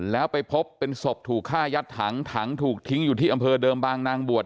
แล้วไปพบเป็นศพถูกฆ่ายัดถังถังถูกทิ้งอยู่ที่อำเภอเดิมบางนางบวช